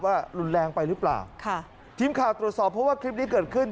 ว่ารุนแรงไปหรือเปล่าค่ะทีมข่าวตรวจสอบเพราะว่าคลิปนี้เกิดขึ้น